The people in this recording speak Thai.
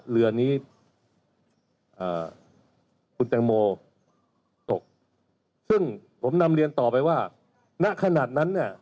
เรือนี้คุณแตงโมตกซึ่งผมนำเรียนต่อไปว่าณขนาดนั้นเนี่ย